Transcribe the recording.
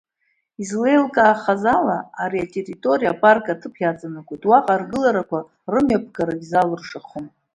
Излеилкаахаз ала, ари атерриториа апарк аҭыԥ иаҵанакуеит, уаҟа аргыларақәа рымҩаԥгарагьы залыршахом.